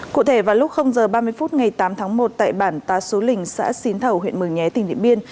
cụ thể vào lúc h ba mươi phút ngày tám tháng một tại bản ta số lình xã xín thầu huyện mường nhé tỉnh điện biên